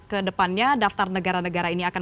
kedepannya daftar negara negara ini akan